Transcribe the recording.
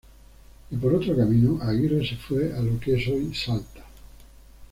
Y por otro camino, Aguirre se fue a lo que es hoy Salta.